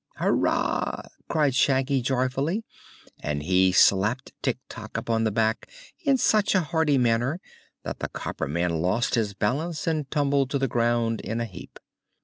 "Hurrah!" cried Shaggy, joyfully, and he slapped Tik Tok upon the back in such a hearty manner that the copper man lost his balance and tumbled to the ground in a heap.